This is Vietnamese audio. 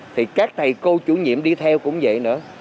thì các thầy cô chủ nhiệm đi theo cũng vậy nữa